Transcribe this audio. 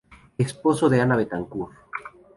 Esposo de Ana Betancourt.